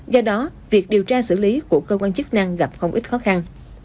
do đó việc điều tra xử lý của cơ quan chức năng gặp không ít khó khăn